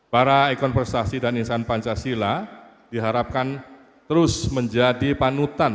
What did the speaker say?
para ikon prestasi dan insan pancasila diharapkan terus menjadi panutan